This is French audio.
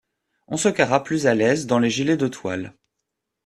On se carra plus à l'aise dans les gilets de toile.